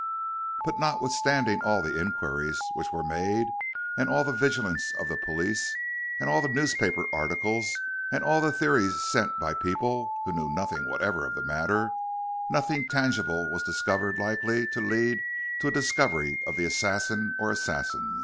But notwithstanding all the inquiries which were made, and all the vigilance of the police, and all the newspaper articles, and all the theories sent by people who knew nothing whatever of the matter, nothing tangible was discovered likely to lead to a discovery of the assassins or assassin.